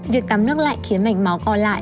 việc tắm nước lạnh khiến mạch máu co lại